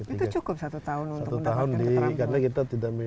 itu cukup satu tahun untuk mendapatkan keterangan